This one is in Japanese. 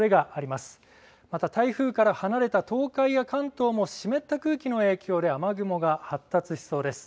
また、台風から離れた東海や関東も湿った空気の影響で雨雲が発達しそうです。